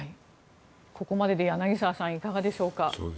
ここまでで柳澤さんいかがでしょうか。